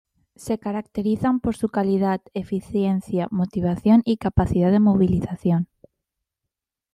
Se caracterizan por su calidad, eficiencia, motivación y capacidad de movilización.